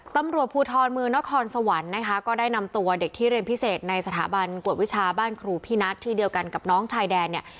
ตำรวจภูทรเมืองนครสวรรค์นะคะก็ได้นำตัวเด็กที่เรียนพิเศษในสถาบันกวดวิชาบ้านครูพี่นัทที่เดียวกันกับน้องชายแดนเนี่ย